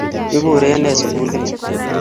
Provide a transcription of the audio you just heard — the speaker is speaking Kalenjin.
Ki kure ne sukuli ng'ung'?